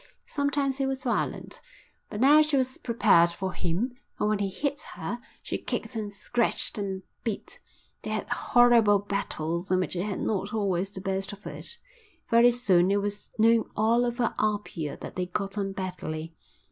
Sometimes he was violent, but now she was prepared for him, and when he hit her she kicked and scratched and bit. They had horrible battles in which he had not always the best of it. Very soon it was known all over Apia that they got on badly.